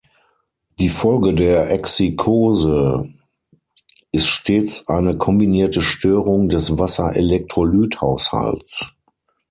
Die Folge der Exsikkose ist stets eine kombinierte Störung des Wasser-Elektrolyt-Haushalts.